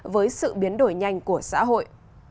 với sự biến đổi nhanh của xã hội